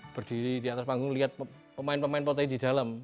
berdiri di atas panggung lihat pemain pemain potehi di dalam